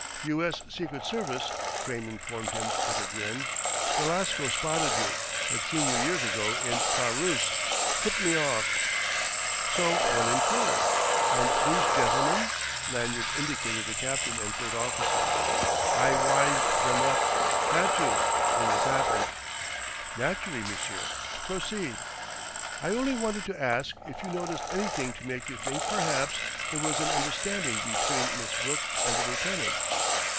"U.S. Secret Service," Crane informed him with a grin. "Velasco spotted you had seen you years ago in Paruss tipped me off." "So one inferred. And these gentlemen?" Lanyard indicated the captain and third officer. "I wised them up had to, when this happened." "Naturally, monsieur. Proceed...." "I only wanted to ask if you noticed anything to make you think perhaps there was an understanding between Miss Brooke and the lieutenant?"